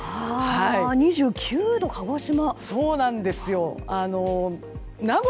２９度、鹿児島。